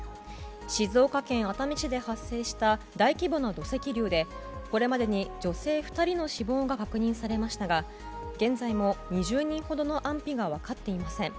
静岡県熱海市で発生した大規模な土石流でこれまでに女性２人の死亡が確認されましたが現在も２０人ほどの安否が分かっていません。